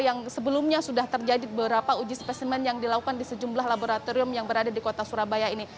yang sebelumnya sudah terjadi beberapa uji spesimen yang dilakukan di sejumlah laboratorium yang berada di kota surabaya ini